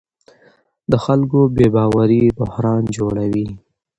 د خلکو بې باوري بحران جوړوي